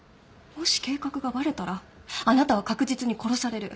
もし計画がバレたらあなたは確実に殺される。